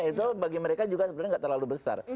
itu bagi mereka juga sebenarnya nggak terlalu besar